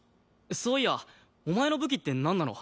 そういやお前の武器ってなんなの？